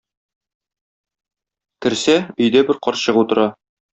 Керсә, өйдә бер карчык утыра.